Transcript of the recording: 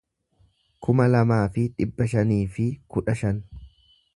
kuma lamaa fi dhibba shanii fi kudha shan